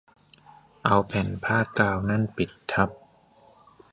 เอาแผ่นผ้ากาวนั่นปิดทับ